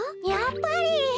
やっぱり！